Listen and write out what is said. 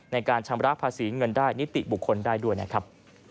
ในการชำระภาษีเงินได้นิติบุคคลได้ด้วยนะครับ